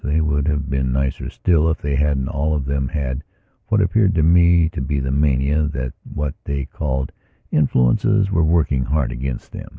They would have been nicer still if they hadn't, all of them, had what appeared to me to be the mania that what they called influences were working against them.